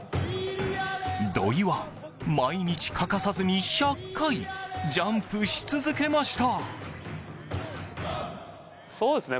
土井は、毎日欠かさずに１００回ジャンプし続けました。